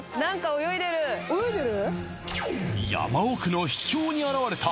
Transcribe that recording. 泳いでる？